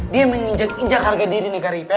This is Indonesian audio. dia ingin menginjak injak harga diri negara ipa